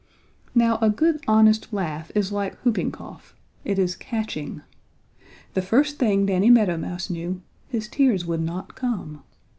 Now a good honest laugh is like whooping cough it is catching. The first thing Danny Meadow Mouse knew his tears would not come.